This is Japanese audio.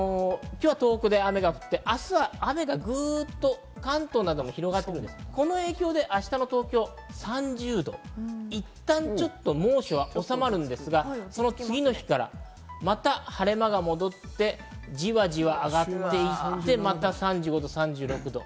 今日は東北で雨が降って明日は雨がグッと関東にも広がって、この影響で明日の東京は３０度、いったん猛暑は収まるですがその次の日からまた晴れ間が戻って、じわじわ上がっていって、また３５度、３６度。